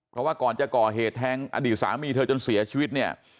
เพราะว่าก่อนจะก่อเหตุแทงอดีตสามีเธอจนเสียชีวิตเนี่ย